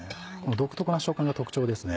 独特な食感が特徴ですね。